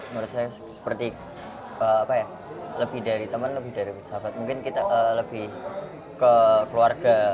menurut saya seperti apa ya lebih dari teman lebih dari sahabat mungkin kita lebih ke keluarga